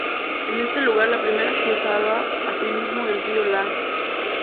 En este lugar la primera cruzaba asimismo el río Lahn.